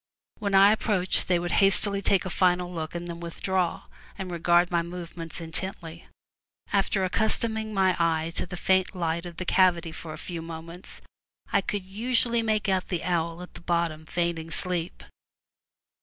When I ap proached they would hastily take a final look and then withdraw and regard my movements intently. After accustoming my eye to the faint light of the cavity for a few moments, I could usually make out the owl at the bottom feigning sleep.